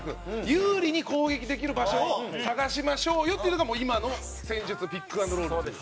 有利に攻撃できる場所を探しましょうよっていうのが今の戦術ピック＆ロールっていう。